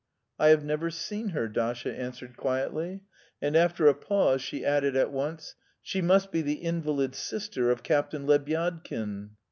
"I have never seen her," Dasha answered quietly, and after a pause she added at once: "She must be the invalid sister of Captain Lebyadkin."